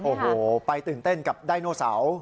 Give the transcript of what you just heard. โอ้โหไปตื่นเต้นกับไดโนเสาร์